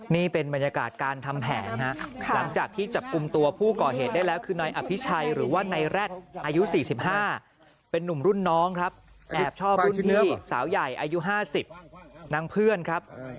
นี่เป็นบรรยากาศการทำแผนฮะหลังจากที่จับกลุ่มตัวผู้ก่อเหตุได้แล้วคือนายอภิชัยหรือว่านายแร็ดอายุ๔๕เป็นนุ่มรุ่นน้องครับแอบชอบรุ่นพี่สาวใหญ่อายุ๕๐นางเพื่อนครับ